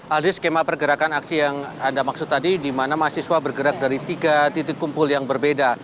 aldi skema pergerakan aksi yang anda maksud tadi di mana mahasiswa bergerak dari tiga titik kumpul yang berbeda